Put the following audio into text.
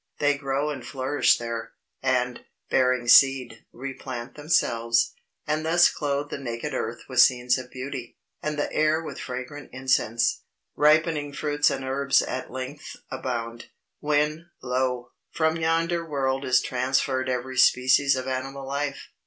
They grow and flourish there, and, bearing seed, replant themselves, and thus clothe the naked earth with scenes of beauty, and the air with fragrant incense. Ripening fruits and herbs at length abound. When, lo! from yonder world is transferred every species of animal life.